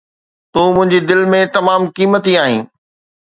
تون منهنجي دل ۾ تمام قيمتي آهين.